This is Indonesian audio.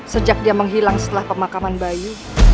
sejak dia menghilang setelah pemakaman bayi